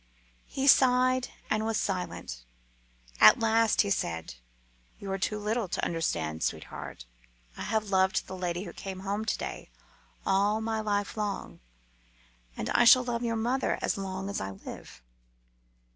He sighed and was silent. At last he said, "You are too little to understand, sweetheart. I have loved the lady who came home to day all my life long, and I shall love your mother as long as I live."